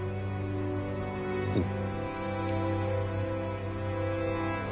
うん。